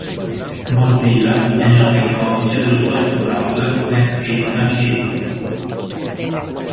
Mozilla è il nome in codice dello "storico" browser Netscape Navigator.